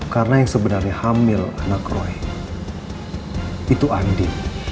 karena yang sebenarnya hamil anak roy itu andi